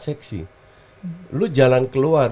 seksi lu jalan keluar